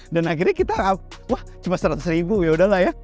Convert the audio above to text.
dan akhirnya kita wah cuma seratus ribu yaudah lah ya